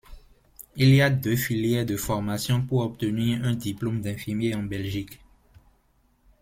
Il y a deux filières de formation pour obtenir un diplôme d'infirmier en Belgique.